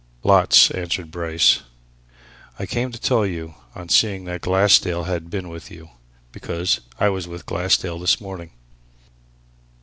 "Lots!" answered Bryce. "I came to tell you on seeing that Glassdale had been with you. Because I was with Glassdale this morning."